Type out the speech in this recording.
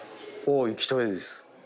行きたいです。